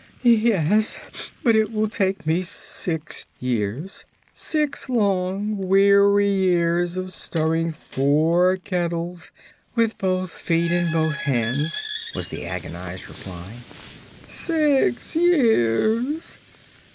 "Yes; but it will take me six years six long, weary years of stirring four kettles with both feet and both hands," was the agonized reply. "Six years!